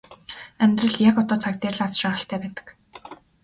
Амьдрал яг одоо цаг дээр л аз жаргалтай байдаг.